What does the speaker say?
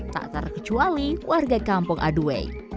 tak terkecuali warga kampung adue